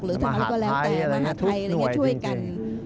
หรือทางมหาไทยช่วยกัน